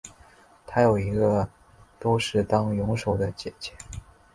她有一个都是当泳手的姐姐。